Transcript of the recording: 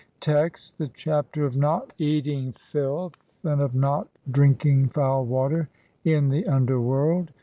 Text : (1) THE CHAPTER OF NOT EATING FILTH AND OF NOT DRINKING FOUL WATER IN THE UNDERWORLD.